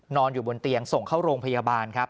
อยู่บนเตียงส่งเข้าโรงพยาบาลครับ